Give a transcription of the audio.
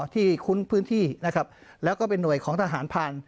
คุ้นพื้นที่นะครับแล้วก็เป็นห่วยของทหารผ่าน